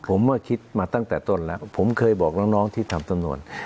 ผมก็คิดมาตั้งแต่ต้นแล้วผมเคยบอกน้องน้องที่ทำตัวโน่น